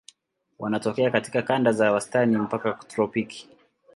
Wanatokea katika kanda za wastani mpaka tropiki.